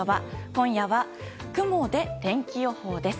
今夜は雲で天気予報です。